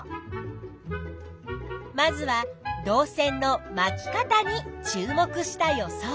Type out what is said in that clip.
まずは導線の「まき方」に注目した予想。